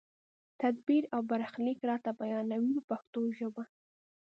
تدبیر او برخلیک راته بیانوي په پښتو ژبه.